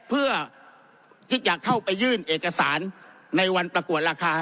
เพื่อที่จะเข้าไปยื่นเอกสารในวันประกวดราคา